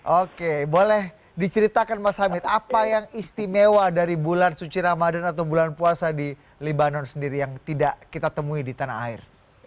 oke boleh diceritakan mas hamid apa yang istimewa dari bulan suci ramadan atau bulan puasa di libanon sendiri yang tidak kita temui di tanah air